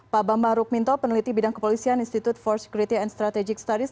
pak bambang rukminto peneliti bidang kepolisian institute for security and strategic studies